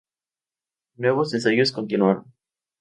Nuevos ensayos continuaron.